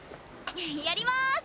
やります！